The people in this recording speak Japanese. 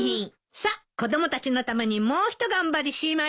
さっ子供たちのためにもうひと頑張りしましょう！